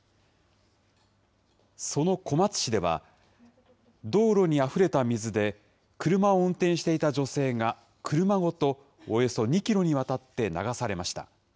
その小松市では、道路にあふれた水で、車を運転していた女性が、車ごと、およそ２キロにわたって流されました。